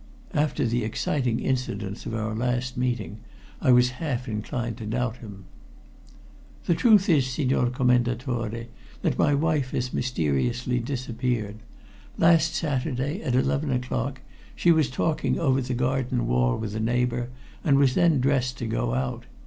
After the exciting incidents of our last meeting, I was half inclined to doubt him. "The truth is, Signor Commendatore, that my wife has mysteriously disappeared. Last Saturday, at eleven o'clock, she was talking over the garden wall with a neighbor and was then dressed to go out.